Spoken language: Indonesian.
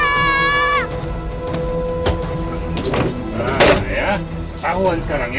nah saya ketahuan sekarang ya